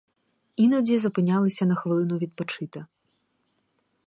Іноді зупинялися на хвилину відпочити.